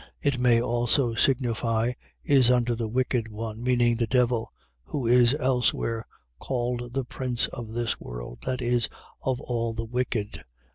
It may also signify, is under the wicked one, meaning the devil, who is elsewhere called the prince of this world, that is, of all the wicked.